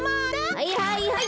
はいはいはい。